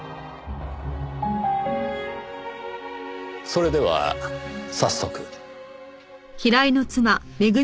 それでは早速。